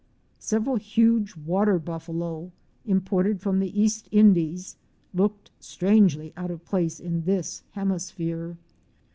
Several huge water buffalo, imported from the East Indies, looked strangely out of place in this hemisphere.